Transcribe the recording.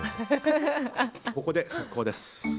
ここで速報です。